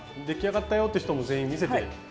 出来上がったよって人も全員見せて。